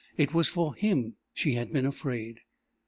It was for him she had been afraid.